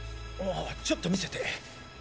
ああちょっと見せて。